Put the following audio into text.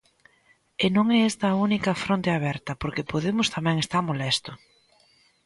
E non é esta a única fronte aberta, porque Podemos tamén está molesto.